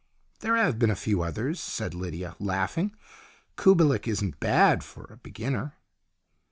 " There have been a few others," said Lydia, laughing. " Kubelik isn't bad for a beginner."